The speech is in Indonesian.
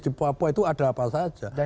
di papua itu ada apa saja